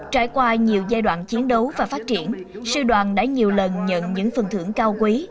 trải qua nhiều giai đoạn chiến đấu và phát triển sư đoàn đã nhiều lần nhận những phần thưởng cao quý